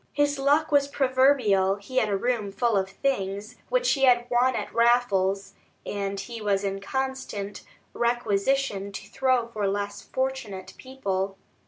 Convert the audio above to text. His luck was proverbial; he had a room full of things which he had won at raffles, and he was in constant requisition to throw for less fortunate people.